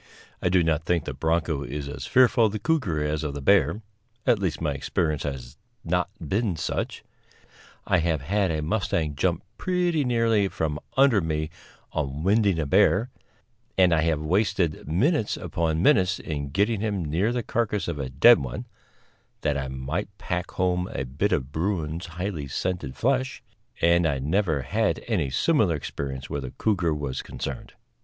I do not think the bronco is as fearful of the cougar as of the bear, at least my experience has not been such. I have had a mustang jump pretty nearly from under me on winding a bear, and I have wasted minutes upon minutes in getting him near the carcass of a dead one, that I might pack home a bit of bruin's highly scented flesh, and I never had any similar experience where the cougar was concerned.